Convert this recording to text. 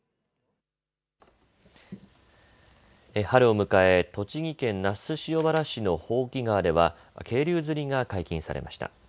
春を迎え栃木県那須塩原市の箒川では渓流釣りが解禁されました。